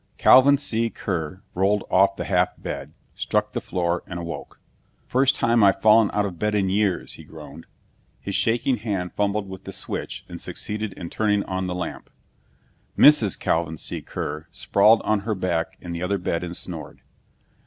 Calvin C. Kear rolled off the half bed, struck the floor, and awoke. "First time I've fallen out of bed in years," he groaned. His shaking hand fumbled with the switch and succeeded in turning on the lamp. Mrs. Calvin C. Kear sprawled on her back in the other bed and snored.